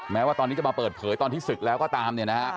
แม้ว่าตอนนี้จะมาเปิดเผยตอนที่ศึกแล้วก็ตาม